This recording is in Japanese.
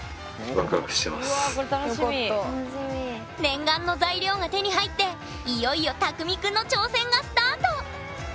念願の材料が手に入っていよいよたくみくんの挑戦がスタート！